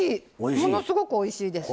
ものすごくおいしいです。